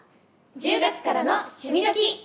「１０月からの趣味どきっ！」。